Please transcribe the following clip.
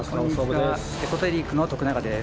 エソテリックの徳永です。